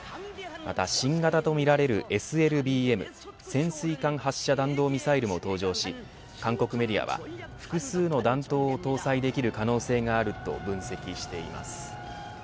また新型とみられるＳＬＢＭ潜水艦発射弾道ミサイルも登場し韓国メディアは複数の弾頭を搭載できる可能性があると分析しています。